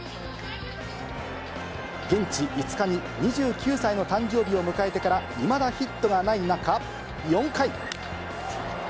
現地５日に２９歳の誕生日を迎えてからいまだヒットがない中、４回。